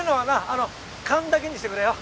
あの勘だけにしてくれよ。